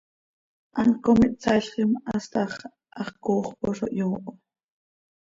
Hant com ihtsaailxim, hast hax hax cooxp oo zo hyooho.